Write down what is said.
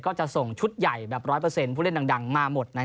ก็จะส่งชุดใหญ่แบบ๑๐๐ผู้เล่นดังมาหมด